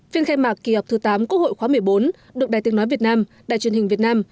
phiên khai mạc kỳ họp thứ tám quốc hội khóa một mươi bốn được đài tiếng nói việt nam đài truyền hình việt nam